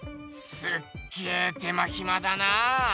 すっげえ手間ひまだな。